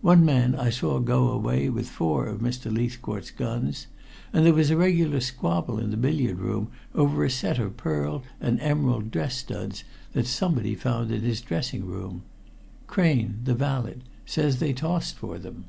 One man I saw go away with four of Mr. Leithcourt's guns, and there was a regular squabble in the billiard room over a set of pearl and emerald dress studs that somebody found in his dressing room. Crane, the valet, says they tossed for them."